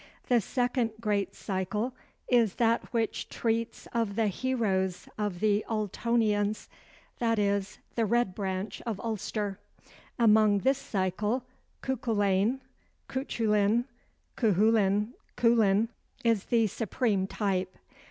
The second great cycle is that which treats of the heroes of the Ultonians, i. e., the Red Branch of Ulster; among this cycle Cuculain (Cuchullin, Cohoolin, Coolin) is the supreme type.